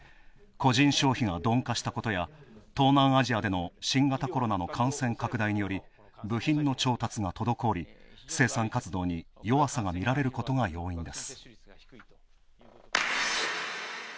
個人消費が鈍化したことや東南アジアでの新型コロナの感染拡大により部品の調達が滞り、生産活動に弱さが見られることが要因です。